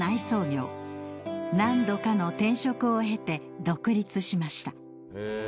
何度かの転職を経て独立しました。